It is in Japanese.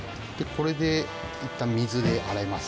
これでいったん水で洗います。